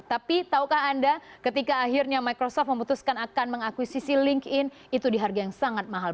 tapi tahukah anda ketika akhirnya microsoft memutuskan akan mengakuisisi linkedin itu di harga yang sangat mahal